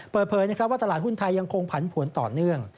เปิดเผยว่าตลาดหุ้นไทยยังคงผันผวนต่อเนื่อง